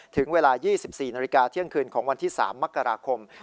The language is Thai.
ถึงเวลา๒๔นาฬิกาเที่ยงคืนของวันที่๓มกราคม